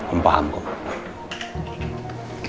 om paham kok